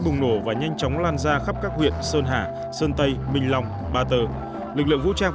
bùng nổ và nhanh chóng lan ra khắp các huyện sơn hà sơn tây minh long ba tờ lực lượng vũ trang